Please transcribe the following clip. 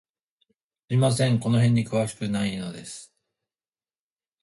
すみません、この辺に詳しくないんです。